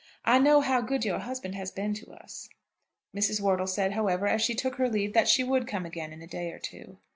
I know how good your husband has been to us." Mrs. Wortle said, however, as she took her leave, that she would come again in a day or two.